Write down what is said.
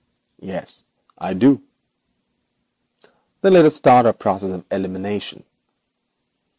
'Yes, I do.' 'Then let us start our process of elimination.